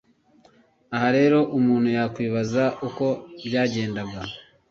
Aha rero umuntu yakwibaza uko byagendaga